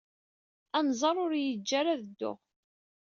Anẓar ur iyi-yeǧǧi ara ad dduɣ.